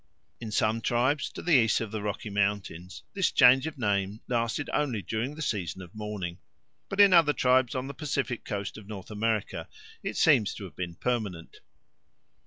In some tribes to the east of the Rocky Mountains this change of name lasted only during the season of mourning, but in other tribes on the Pacific Coast of North America it seems to have been permanent.